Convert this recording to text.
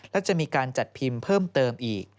และจะมีการจัดพิมพ์เพิ่มเติมอีก